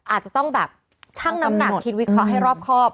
อาจจะต้องแบบชั่งน้ำหนักคิดวิเคราะห์ให้รอบครอบ